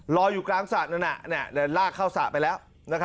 รออยู่กลางสระนั้นลากเข้าสระไปแล้ว